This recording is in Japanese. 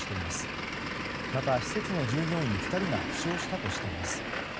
また、施設の従業員２人が負傷したとしています。